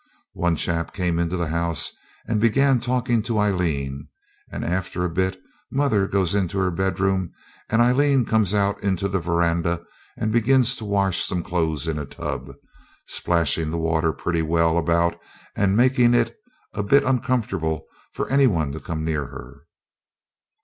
One chap came into the house and began talking to Aileen, and after a bit mother goes into her bedroom, and Aileen comes out into the verandah and begins to wash some clothes in a tub, splashing the water pretty well about and making it a bit uncomfortable for any one to come near her.